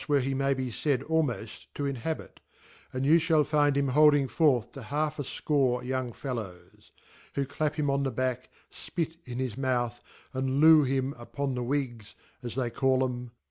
jvher* be may be faid almoft to inhabit) and you (hall fad' him hold* ing forth to half afcore young fellows ,' (who clap him en eh* }ack, fpitin his mouth, and loo him on upon the Whiggs, as they call 'em)